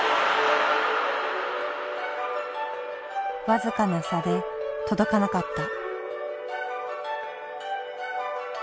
僅かな差で届かなかった。